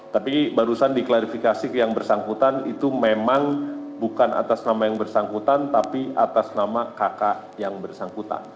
tapi barusan diklarifikasi ke yang bersangkutan itu memang bukan atas nama yang bersangkutan tapi atas nama kakak yang bersangkutan